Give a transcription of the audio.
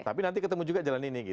tapi nanti ketemu juga jalan ini